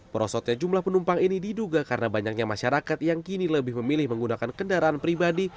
perosotnya jumlah penumpang ini diduga karena banyaknya masyarakat yang kini lebih memilih menggunakan kendaraan pribadi